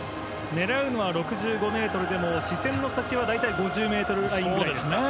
狙うのは６５ｍでも視線の先は大体５０ｍぐらいと。